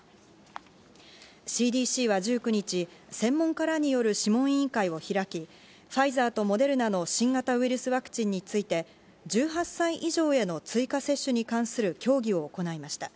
ＣＤＣは１９日、専門家らによる諮問委員会を開き、ファイザーとモデルナの新型ウイルスワクチンについて、１８歳以上への追加接種に関する協議を行いました。